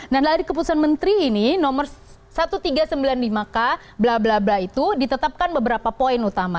dan dari keputusan menteri ini nomor seribu tiga ratus sembilan puluh lima k bla bla bla itu ditetapkan beberapa poin utama